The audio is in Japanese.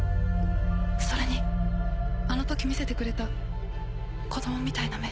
それにあの時見せてくれた子供みたいな目